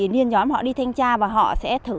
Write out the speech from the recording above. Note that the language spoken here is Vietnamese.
liên nhóm họ đi thanh tra và họ sẽ thực